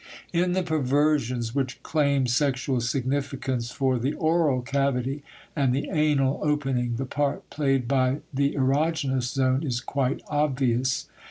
In the perversions which claim sexual significance for the oral cavity and the anal opening the part played by the erogenous zone is quite obvious.